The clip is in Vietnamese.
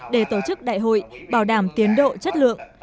để tổ chức đại hội bảo đảm tiến độ chất lượng